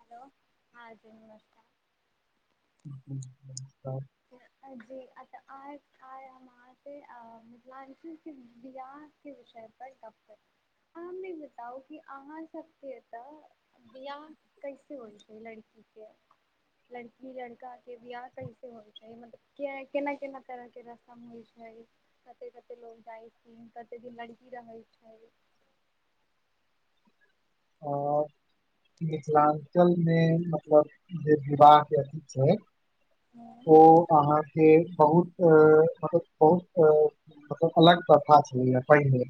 Hello हँ जी नमस्कार [inaudible] [inaudible] जी आइ हम अहा प मिथिलांचल कें बिआह के विषय प कप बताउ की अहाँ सबकके है तऽ बिआाह कैसे होल चाही लड़की लड़की लड़का के बियाह कैसे होना चाही केना केना तरह के रास्ता होइ छै कते कते लोग जाय छैन कते दिल्ली [inaudible] आ मिथिलाञ्चलमे मतलब जे विवाहके अथी छै हूँ ओ अहाँके बहुत म बहुत अलग प्रथा छल पहिनेे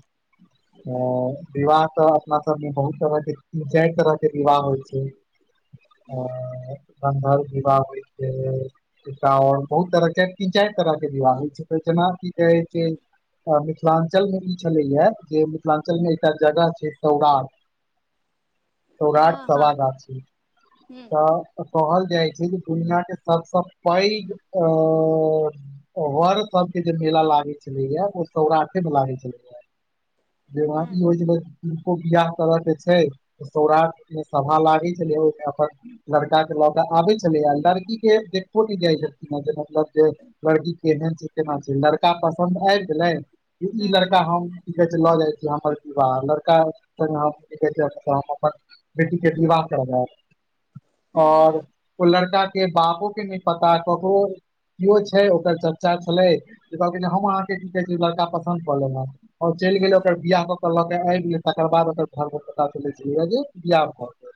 हूँ विवाह तऽ अपना सब मे बहुत त जा तरहके विवाह होइ छै हूँ आ गन्धर विवाह होइ छै एकओर बहुत तरह के तीन चार तरह के बिवाह होइ छै जनाब की कहैय छै मिथिलाञ्चलमे ई छलैएा जे मिथिलाञ्चलमे एकटा जगह छै सौराठ सौराठ हँ सभा हँ गाछी हूँ कहल जाइ छै जे दुनिया के सबस पैघ वर सब के जे मेला लागे चलय ओ सौराठे मे लागे चलयै हूँ द बिआह करय कें सौराट मे सभा लागे छल अपन लड़का के लऽ के आबे छलै अडर देखोब न जाइ छै मतलब जे लड़की केहन छै केना छै लड़का पसन्द आबि गेलै ई हूँ लड़का हम की कहे छै लऽ जाइ छी हमर विवाह लड़का स अपन बेटी के विवाह कर हूँ और हूँ ओ लड़का बापू के नहि पता कहऊ केओ छै ओकर चर्चा छलै जे कहै जे हम अहाँके की कहैत छै लड़का पसन्द कऽ लेलहु हँ आओर चलि गेले हूँ ओकर बियाह कऽ के ल के आबि गेले तकर बाद ओकर धर मे पता न च लैय लेकिन बिआहा भगैलई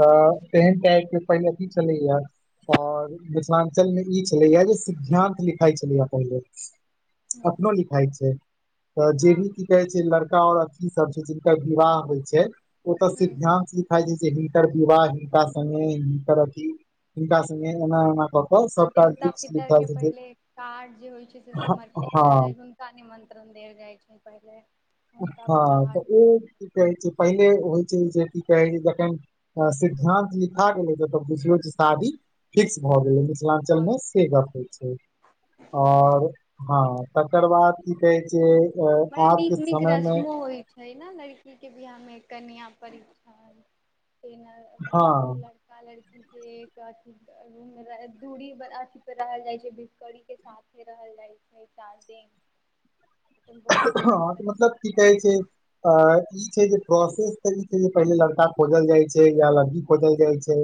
तऽ तेहन टाके पहिने की चलै यार आओर मिथिलाञ्चलमे ई छलैएा जे सिद्धानंत लिखाइ छलैए पहिले हूँ अपनो लिखाइ छै तऽ जे हँ भी की कहै छै लड़का आऔर अथि सब छै जिनकर विवाह होइ छै ओतऽ स हूँ ध्यान सिखाइ छै विवाह पी हिनका से हिनकर हिनका स आ देवता पितर के पहिले कार्ड जे होइ छै से समर्पित कयल जाय हँ छै हुनका निमंत्रण देल जाइ छै पहिल अछा तऽ ओ कह छै पहिले होइ छै जे की कहे छै जखन सिद्धांत लिखा गेले जेतय तऽ बुझियो शादी फिक्स भऽ गेलै मिथिलाञ्चल मे से गप होइ छै आओर हँ तकर बाद की कहे छै बड़ा आब नीक के नीक समय मे रस्मो होइ छय नए लड़की के बियाह मे कन्या परीक्षा हँ लड़का लड़की जे दूरी अथी रहल जाइ छै विधकरी के साथे रहल जाइ छै शान्ति हँ तऽ मतलब की कहै छै अ जे प्रोसेस कर छै जे पहिले लड़का खोजल जाइ छै या लड़की खोजल जाइ छै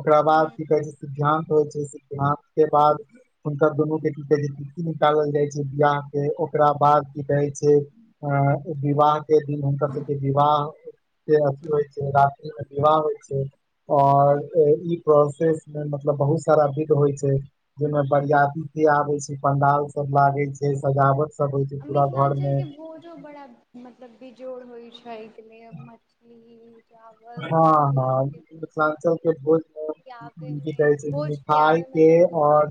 ओकरा बाद ह की कहै छै सिद्धात होइ छय सिद्धांत के बाद हुनकर दुनू के की कहै छय तिथि निकालल जाइ छै बियाह के ओकरा बाद की कहै छै अ विवाह के दिन हुनकर सबके विवाह से अथी होइ छै राति मे विवाह होइ छै और ह ई प्रोसेस मे मतलब बहुत सारा विध होइ छै जेहिमे ह बरियाती के आबे छै पंडाल सब लागे छै सजावट सब होय छै पूरा घर मिथिलांचल मे के भोजो बड़ा मतलब बेजोड़ होइ छै मछली चावल हँ रङ्ग हँ बिरङ्गके पकवान मिथिलांचल के बहुत की खियाबैमे कहै छै भोज मिठाई खियाबैमे के बहुत आओर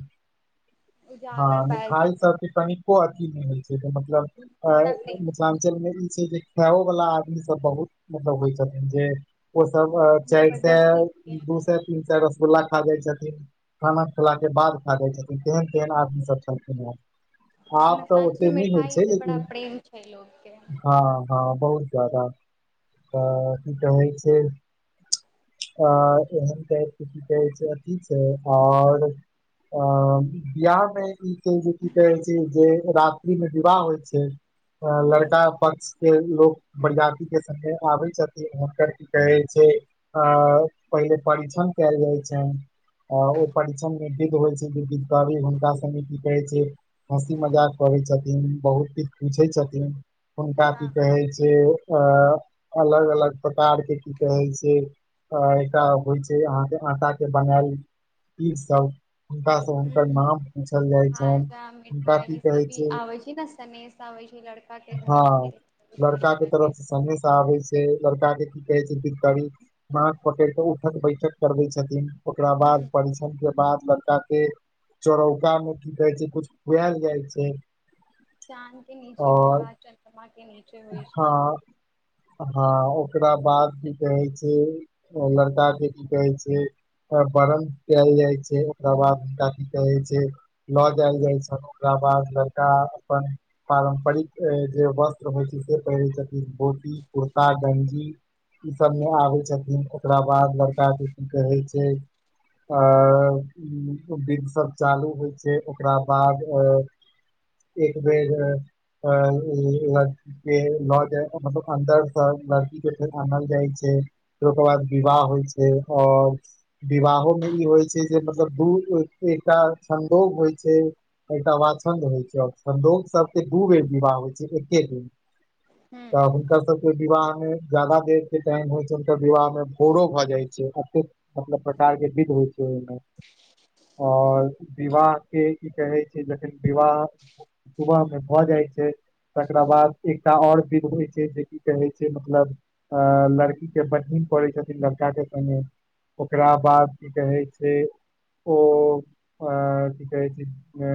हँ उजागर पायल मिठाई छै सबके कनिको अथी नहि होइ छै मतलब बड़ा प्रेम मिथिलाञ्चल मे ई छै जे खायइो वाला आदमी सब बहुत मतलब होइ छथिन जे ओ सब चारि से जबरदस्ती दू से तीन से रसगुल्ला खा जाइ छथिन खाना खेला के बाद खा जाइ छथिन केहन तेहन आदमी सब छलखन ह हँ मिथिलाञ्चल मिठाइसँ बड़ा लेकिन प्रेम छै लोकके हँ हँ बहुत ज्यादा तऽ की कहै छै आ एहन त कि की कहै छै अथी छै ओर अ बिहारमे ई जे की कहै छै जे रात्रि मे विवाह होइ छै हूँ लड़का पक्ष के लोग बरयाति के संगे आबे छथिन कहय छै अ पहिले परीक्षण कायल जाइ छैन ओहि परीक्षण मे विध होइ छै जे विधकारी हुनका सने की कहय छय हुनका संगे हंसी मजाक करय करै छथिन बहुत कछु पूछै छथिन हुनका हँ की कहै छय अ अलग अलग प्रकार के की कहै छै अ एकटा होइ छै अहाँके आता के बनायल ई सब हुनका से हुनकर ह नाम पूछल जाइ छनि खाजा हुनका मिठाइ की ई सब कहै भी छै आबैय छय ना सनेश आबय छय हँ लड़का के तरीकाके तरफ सनेश आबैय छय लड़का के कहैय छथिन कवि हाथ पकड़ कऽ उठक बैठक करबैय छथिन ओकरा बाद हूँ परीक्षण के बाद लड़का के चोरौका मे की कहे छै कुछ खुआल जाइ छै चाँद के नीचे और विवाह चन्द्रमा के नीचे होइ छै हँ ओकरा बाद की कहै छै लड़का के की कहै छै बरण कैल जाय छै ओकरा बाद हुनका की कहे छै लऽ जाल जाय छ ओकरा बाद लड़का अपन पारम्परिक जे वस्त्र होइ छै से पहिरे छथि घोति कुर्ता गंजी ई सभ मे आबै छथिन ओकरा बाद लड़का जे कहै छै आ विधसभ चालू होइ छै ओकरा बाद एक बेर अ लड़की के ल मतलब अन्दर सँ लड़की के आनल जाइ छै ओकर बाद विवाह होइ छै और विवाहो में ई होइ छै मतलब दू एकटा सन्दोभ होइ छै एकटा वाछन्द होइ छै आओर सन्दो सबके दू बेर विवाह होइ छै एके दिन हूं तऽ हुनकर सबके विवाह मे जादा देर के टाइम होय छै हुनकर विवाह में भोरो भए जाय छै एते मतलब प्रकार के विध होय छै [inaudible] ओर विवाह के ई कहै छै जखन विवाह सुबह मे भऽ जाय कहे छै तकरा बाद एकटा ओर विध होइ छै जे की कहै छै मतलब अ लड़की के बहिन पढ़ै छथिन लड़का पहिने ओकरा बाद की कहै छै ओ अ की कहै छै अ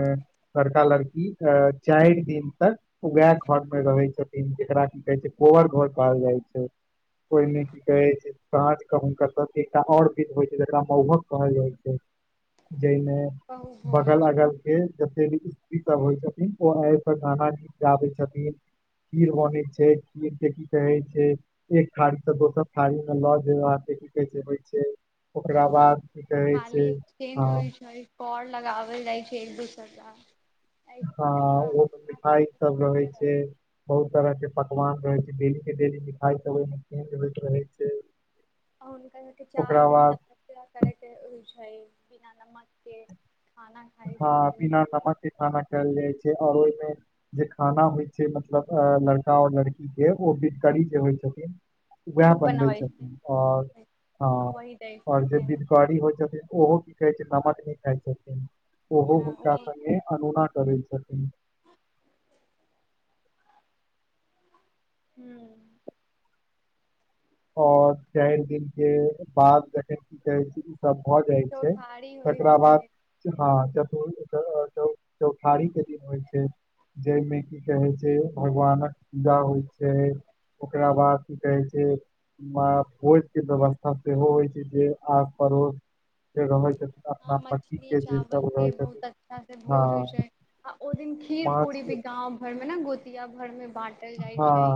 लड़का लड़की अ चइल्ड दिन तक वएह घर मे रहै छथिन जेकरा की कहै छै कोबर घर कहल जाइ छै ओहिमे की कहै छै साँझ के हुनकर सब एकटा आओर विध होइ छै जकरा मौहुहक कहल जाइ छै जाहि मे बहु बगल भोज अगल के जते भी स्त्री सब होइ छथिन ओ आब क गाना गाबै छथिन खीर बने छै खीरके की गीत होइ छै एक थारी त दोसर थारी मे लऽ जेब अहाँके की गीत छै होइ छै ओकरा हँ बाद की कहे खाली छै एक अ चेंज होइ छैर कोर लगाबल जाइ छै एक दूसर त हँ ओहोमे मिठाई सब रहै छै बहुत तरह के पकवान रहे छै डेली के डेली मिखाई ओहि ल रहे छै आ हुनका सबके चार ओकरा दिन बाद त करे के हो छै बिना नमक के खाइ हँ छथिन बिना नमक के खाना खेल जाइ छै आओर जे खाना होइ छै मतलब लड़का आऔर लड़की के ओ बिघकरी जे होइ छथिन वेह उ बनबै छथिन छै आओर हँ वही दै आओर जे छथिन बिध करी होइ छथिन ओहो की कहै छै नमक नहि खाइत छथिन ओहो ओ हुनका संगे अनोना करै छथिन हू और चाइर दिन के बाद जखैन कि कहै छी सब भऽ जाइ छै चौठारी होइ तकरा छै बाद हँ चतुर च- [inaudible] चौ- चौठारी के दिन होइ छै जाहिमे की कहै छै भगवानक पूजा होइ छै ओकरा बाद की कहै छै भोज के व्यवस्था सेहो होइ छै जे आस पड़ोस जे रहैत छै छथिन हॅं अपना पति मछली के चावल के बहुत अच्छा से हँ भोज होइ छै आ ओ दिन खीर माछ पूरी भी के गाँव घर मे ने गोतिया भर मे बाँटल जाइ हँ छै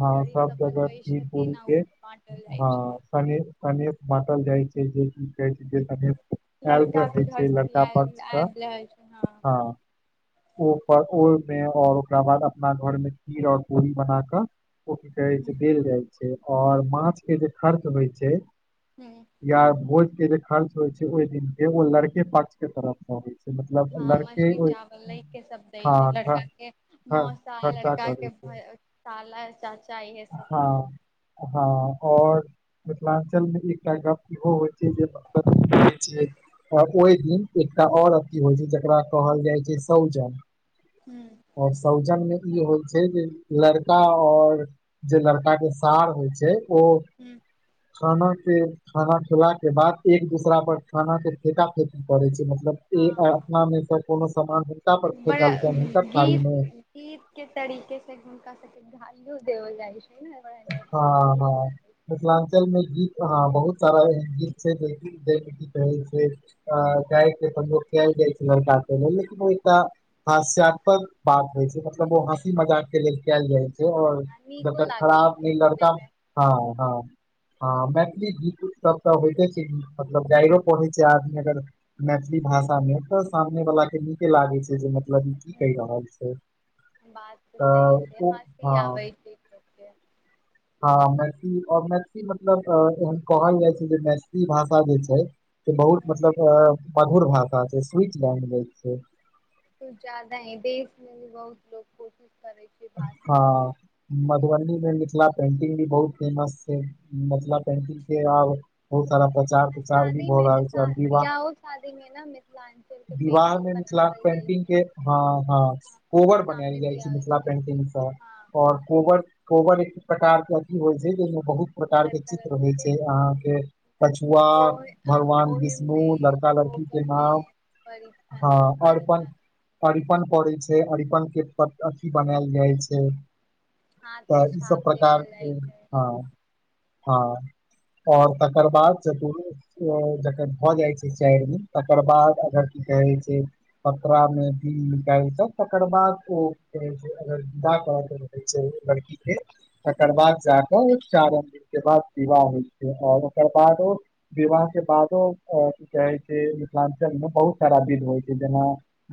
हँ सब जगह बनबै खीर पुरी छथिन आ ओ के बाँटल जाइ हँ छै सनेश सनेश बाटल जाइ छै जे ची कहै छै जे आयल लड़का रहै के घर छै से भी लड़का आयल पक्ष सँ आयल रहै हँ ओ प ओय मे और ओकरा बाद अपना घर में खीर और पूरी बना क ओ की कहे छै देल जाय छै आओर माछ के जे खर्च होइ छै ह या भोज के जे खर्च होइ छै ओहि दिन के ओ लड़के पक्क्ष के तरफ छै मतलब हँ लड़के मछली ओहि चावल लै के सब दै छै हँ लड़का के मौस खर्चा लड़का करै के छै भै [unintelligible] हँ हँ आओर मिथिलाञ्चलमे एकटा गप इहो होइ छै जे कतोअ जाय छियै अ ओहि दिन एकटा आओर अथी होइ छै जकरा कहल जाइ छै सौजन ह आओर सौजन मे ई होइ छै जे लड़का आऔर जे लड़काे सार होइ छै ओ ह खाना के खाना खेला के बाद एक दोसरा पर खाना के फेका फेकी करे छै मतलब ए अ हँ अपना मे सँ कोनो सामान हुनका पर बड़ा फेकलकनि हुनकर थारी गीत मे गीत के तरीके से हुनका सबके इहो देबल जाइ छै ने बड़ा हँ नीक हँ मिथिलाञ्चलमे गीत ह बहुत सारा एहन गीत छै जे कि जाहिमे की कहे छै अ गाइर के संयोग के [unintelligible] हास्याद पद बात होइ छै मतलब ओ हँसी मजाक के लेल कैल जाइ छै जे आओर नीको जकर लागै खराब छै नइ सुनै लड़का म मे हाँ हाँ हँ मैथिली गीत उत सब तऽ होइतइते छै की मतलब गाइरो परहै छै आदमी अगर मे मैथिली भाषामे तऽ सामने वलााके नीके लागैत छै जे मतलब की कहि ह रहल छै बात सही छै तऽ ओ हँसी हँ आबै छै [inaudible] हँ मैथिली और मैथिली मतलब अ एहन कहल जाइ छै जे मैथिली भाषा जे छै से बहुत ह मतलब मधुर भाषा छै स्वीट लैंग्वेज छै घुर जा दही देख लेलिए बहुत लोक खुश हँ मधुबनी मे मिथिला पेंटिंग भी बहुत फेमस छै मिथिला पेंटिंग के आब बहुत सारा प्रचार प्रचार भी शादी भऽ मे रहल छै शा और विवाह बियाहो शादी मे ने मिथिलाञ्चल के विवाह पेंटिंग मे बनावल मिथिलाके जाइ पेंटिंग छै के हं हं हँ, कोइ कोवर बनैल सामने जाइ छै बियाह होइ मिथिला पेंटिंग कि पेंटिंग सँ हँ और कोबर कोबर एक प्रकार के अथी होइ छै जेहिमे बहुत प्रकार के लड़का चित्र लड़का होइ के छै अहाँके कछुआ ओहि भगवान विष्णु ओहिमे लड़का लड़की के कोबर मे नाम परिछन हँ सब अरिपन परिछन अरिपन पड़ै छै अरिपन के प अथि बनायल जाइ छै हाथ तऽ के छाप ईसभ देवल प्रकारके जाइ छै हँ हँ और तकर बाद जतबे जखन भऽ जाइ छै चाइर दिन तकर बाद अगर कहै छै पतरा मे दिन निकाइल क तकर बाद ओ करै छै अगर विदा कर के रहे छै लड़की के तकर हँ बाद जाक ओ चार के बाद विवाह होइ छै और ओकर बादो विवाह के बादो अ की कहै छै मिथिलांचल में बहुत सारा विध होइ छै जेना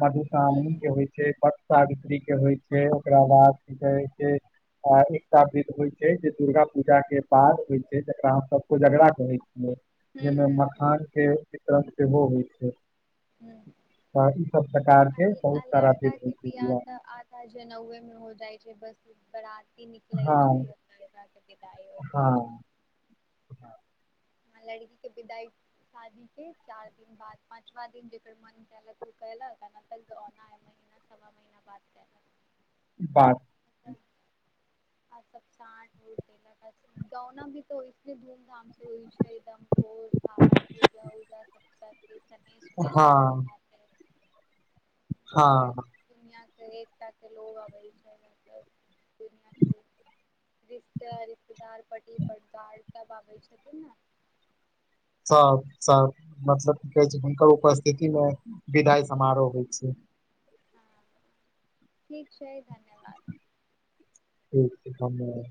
मधुश्रावणी के हूँ होइ छै वट सावित्री के होइ छै ओकरा बाद की कहै छै अ एकटा विध होइ छै जे दुर्गा पूजा के बाद होइ छै जेकरा हम सब कोजेगड़ा कहै छियै हूँ जाहिमे हूँ हूँ मखान के वितरण सेहो होइ छै हूँ। त ई सब प्रकार आ के बहुत सारा विध होई छै बियाह जनेउए मे हो जाइ छै बस बराती निकले हँ छै विदाई हो जाइ हँ छै लड़की के विदाई शादी के चार दिन बाद पाँचवा दिन जेकर मन कैलक कैलक अ न त ओना एक महीना सवा महीना बाद कैलक बात [inaudible] आ सब सांझ होइतै न त ग‌उना भी त होई छै धूम धाम से होइ छै एकदम भोज भात पूजा उजा सब सा हँ और हँ दुनिया अनेक टा के लोग आबै छै त दुनिया के रिश्ता के रिश्तेदार पट्टी पटदार सब आबै छथिन ने सब सब मतलब की कहै छै हुनकर उपस्थितिमे विदाई समारोह होइ छै हँ ठीक छै धन्यवाद ठीक छै धन्यवाद